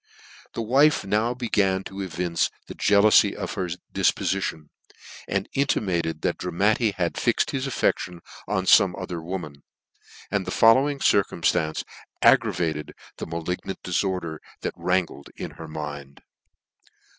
The wife now began to evince the jealcufy of her ditpofition ; and intimated that Dramatti had fixed his affe6tions on fome other woman : and the following circumftance aggravated the malig nant diforder that wrankled in her mind.